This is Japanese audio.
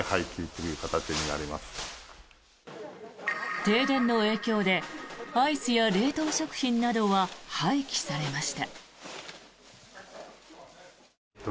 停電の影響でアイスや冷凍食品などは廃棄されました。